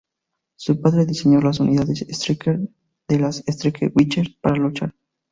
Su padre diseñó las Unidades Striker de las Strike Witches para luchar.